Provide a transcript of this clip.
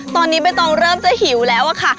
ตอนนี้ใบตองเริ่มจะหิวแล้วอะค่ะ